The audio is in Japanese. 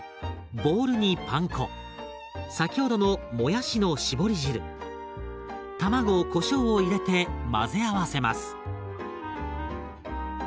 ボウルにパン粉先ほどのもやしの絞り汁卵こしょうを入れて混ぜ合わせます。